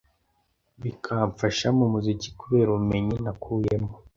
bikamfasha m'umuziki kubera ubumenyi nakuyemo.